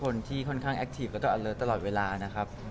คนที่ค่อนข้างแอคทีฟแล้วก็อเลิศตลอดเวลานะครับ